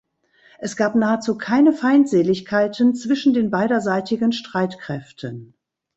Es gab nahezu keine Feindseligkeiten zwischen den beiderseitigen Streitkräften.